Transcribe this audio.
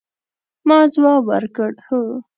ما ځواب ورکړ، هو.